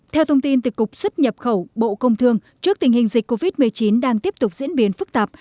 theo thông tin từ cục xuất nhập khẩu bộ công thương trước tình hình dịch covid một mươi chín đang tiếp tục diễn biến phức tạp